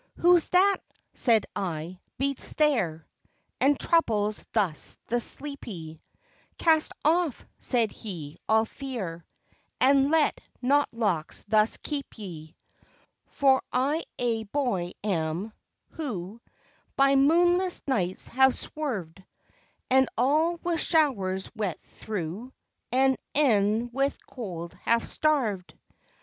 Who's that, said I, beats there, And troubles thus the sleepy? Cast off; said he, all fear, And let not locks thus keep ye. For I a boy am, who By moonless nights have swerved; And all with showers wet through, And e'en with cold half starved.